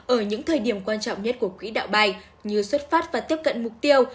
ở những thời điểm quan trọng nhất của quỹ đạo bay như xuất phát và tiếp cận mục tiêu